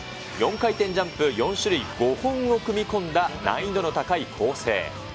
４回転ジャンプ４種類５本を組み込んだ難易度の高い構成。